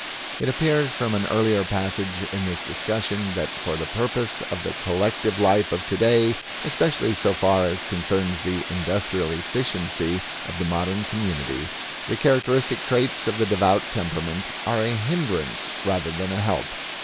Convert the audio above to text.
It appears from an earlier passage in this discussion that for the purpose of the collective life of today, especially so far as concerns the industrial efficiency of the modern community, the characteristic traits of the devout temperament are a hindrance rather than a help.